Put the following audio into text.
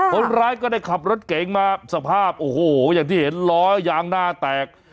คนร้ายก็ได้ขับรถเก๋งมาสภาพโอ้โหอย่างที่เห็นล้อยางหน้าแตก